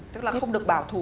tức là không được bảo thù